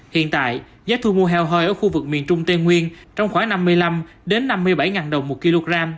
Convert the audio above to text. hiện tại giá thu mua heo hơi ở khu vực miền trung tây nguyên trong khoảng năm mươi năm năm mươi bảy đồng một kg